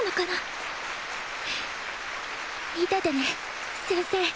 見ててね先生。